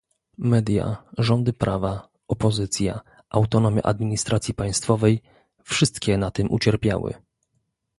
Media, rządy prawa, opozycja, autonomia administracji państwowej, wszystkie na tym ucierpiały